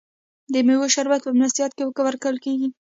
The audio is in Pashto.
د میوو شربت په میلمستیا کې ورکول کیږي.